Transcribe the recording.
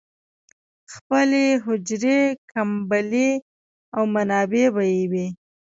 خپلې حجرې، کمبلې او منابع به یې وې.